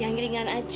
yang ringan aja